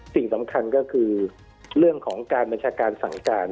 สิ่งสำคัญก็คือเรื่องของการบัญชาการสั่งการ